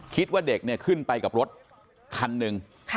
คิดว่าเด็กเนี่ยขึ้นไปกับรถคันหนึ่ง